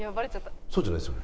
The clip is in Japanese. そうじゃないですよね？